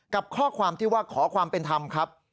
กับข้อความที่ว่าขอความเป็นธรรมครับ